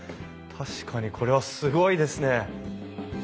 確かにこれはすごいですね！